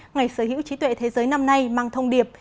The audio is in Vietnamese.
ngày sở hữu trí tuệ thế giới năm nay mang thông điệp